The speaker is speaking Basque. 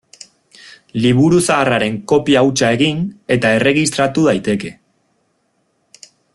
Liburu zahar haren kopia hutsa egin eta erregistratu daiteke.